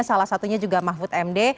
salah satunya juga mahfud md